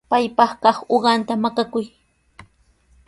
Paypaq kaq uqanta makaykuy.